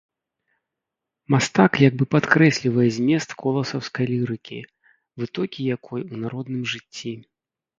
Мастак як бы падкрэслівае змест коласаўскай лірыкі, вытокі якой у народным жыцці.